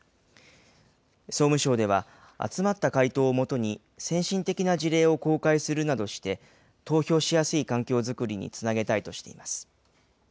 総務省では、集まった回答を基に、先進的な事例を公開するなどして、投票しやすい環境作りにつなげたいとしています。